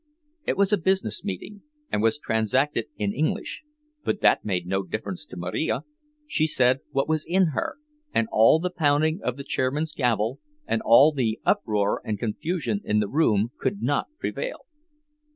It was a business meeting, and was transacted in English, but that made no difference to Marija; she said what was in her, and all the pounding of the chairman's gavel and all the uproar and confusion in the room could not prevail.